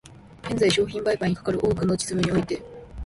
現在、商品売買にかかる多くの実務において、